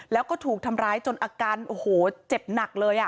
แล้วก็ถูกทำร้ายจนอาการโอ้โหเจ็บหนักเลย